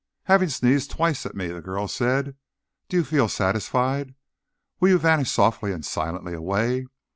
"Having sneezed twice at me," the girl said, "do you feel satisfied? Will you vanish softly and silently away?